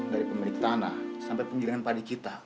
dari pemilik tanah sampai penggilingan padi kita